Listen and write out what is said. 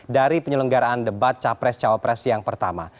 dari penyelenggaraan debat capres cawapres yang pertama